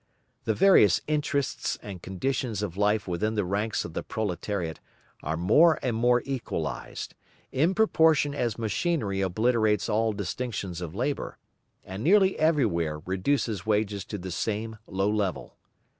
The various interests and conditions of life within the ranks of the proletariat are more and more equalised, in proportion as machinery obliterates all distinctions of labour, and nearly everywhere reduces wages to the same low level.